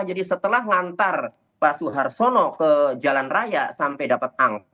jadi setelah mengantar pak soeharsono ke jalan raya sampai dapat kembali ke bandung ya